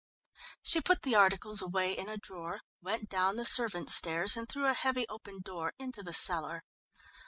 She put the articles away in a drawer, went down the servants' stairs and through a heavy open door into the cellar.